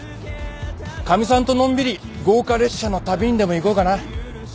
かみさんとのんびり豪華列車の旅にでも行こうかな。